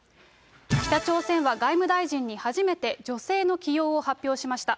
北朝鮮は外務大臣に初めて女性の起用を発表しました。